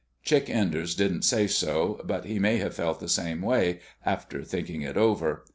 Chick Enders didn't say so, but he may have felt the same way, after thinking it over.